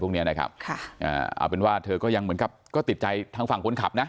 เอาเป็นว่าเธอก็ยังเหมือนติดใจทั้งฝั่งคนขับ